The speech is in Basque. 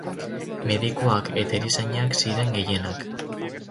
Medikuak eta erizainak ziren gehienak.